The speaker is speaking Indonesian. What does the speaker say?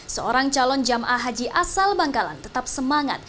seorang calon jamaah haji asal bangkalan tetap semangat